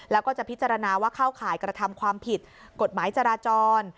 แล้วก็จะพิจารณาว่าเข้าข่ายกระทำความผิดกฎหมายจราจร